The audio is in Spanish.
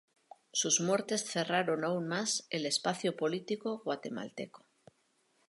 Sus muertes cerraron, aún más, el espacio político guatemalteco.